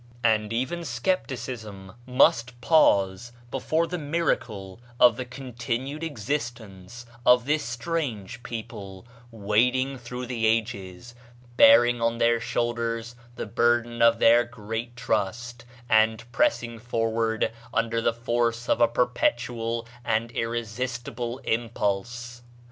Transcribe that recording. And even skepticism must pause before the miracle of the continued existence of this strange people, wading through the ages, bearing on their shoulders the burden of their great trust, and pressing forward under the force of a perpetual and irresistible impulse.